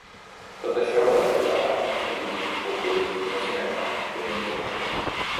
Tot això va ajudar a aconseguir un públic de cinema ben informat.